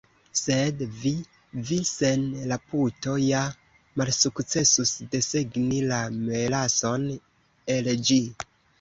Sed vi, vi sen la puto ja malsukcesus desegni la melason el ĝi!"